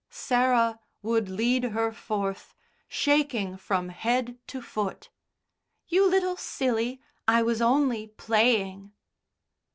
Sarah would lead her forth, shaking from head to foot. "You little silly. I was only playing."